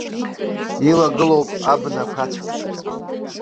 Илагылоуп абна қәацәк.